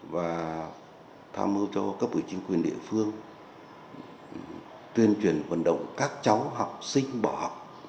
và tham ưu cho các bộ chính quyền địa phương tuyên truyền vận động các cháu học sinh bỏ học